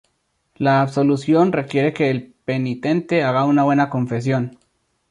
La absolución requiere que el penitente haga una buena confesión.